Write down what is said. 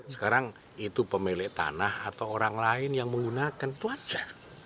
sekarang itu pemilik tanah atau orang lain yang menggunakan itu aja